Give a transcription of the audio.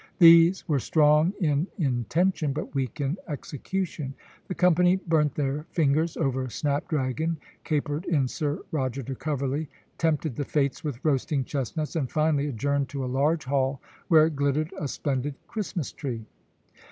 These were strong in intention, but weak in execution. The company burnt their fingers over snap dragon, capered in Sir Roger de Coverley, tempted the Fates with roasting chestnuts, and finally adjourned to a large hall, where glittered a splendid Christmas tree.